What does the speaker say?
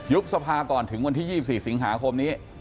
สภาก่อนถึงวันที่๒๔สิงหาคมนี้